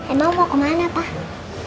emang mau kemana pak